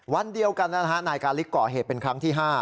วันเดียวกันนายกาลิกก่อเหตุเป็นครั้งที่๕